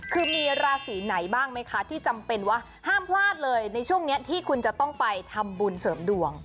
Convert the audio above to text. คือมีราศีไหนบ้างไหมคะที่จำเป็นว่าห้ามพลาดเลยในช่วงนี้ที่คุณจะต้องไปทำบุญเสริมดวง